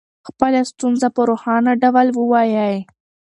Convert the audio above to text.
خپله ستونزه په روښانه ډول ووایئ.